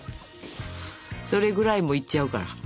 それぐらいもういっちゃうから。